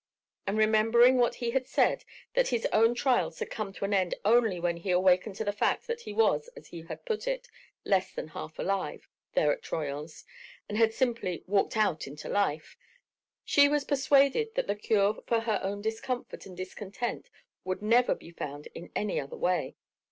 And remembering what he had said, that his own trials had come to an end only when he awakened to the fact that he was, as he had put it, "less than half alive" there at Troyon's, and had simply "walked out into life," she was persuaded that the cure for her own discomfort and discontent would never be found in any other way.